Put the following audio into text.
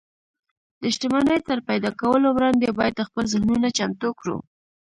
د شتمنۍ تر پيدا کولو وړاندې بايد خپل ذهنونه چمتو کړو.